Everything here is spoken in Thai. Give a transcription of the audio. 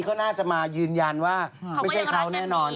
ก็น่าจะมายืนยันว่าไม่ใช่เขาแน่นอน